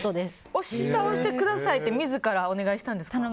押し倒してくださいって自らお願いしたんですか？